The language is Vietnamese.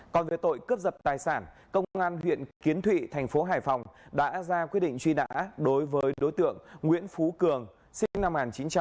còn về tội cướp giật tài sản công an huyện kiến thụy thành phố hải phòng đã ra quyết định truy nã đối với đối tượng nguyễn phú cường sinh năm một nghìn chín trăm tám mươi